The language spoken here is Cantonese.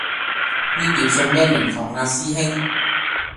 呢碟餸咩名堂呀師兄